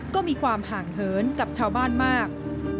ก็มีความห่างเหินกับชาวบ้านมาก